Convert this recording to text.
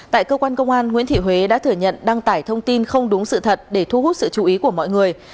tại cơ quan công an nguyễn thị huế đã thừa nhận đăng tải thông tin không đúng sự thật để thu hút sự chú ý của mọi người